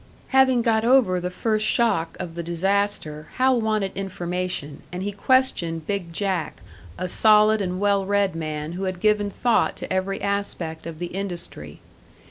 Having got over the first shock of the disaster, Hal wanted information, and he questioned Big Jack, a solid and well read man who had given thought to every aspect of the industry.